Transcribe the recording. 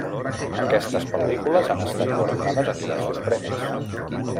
Aquestes pel·lícules han estat guardonades amb diversos premis.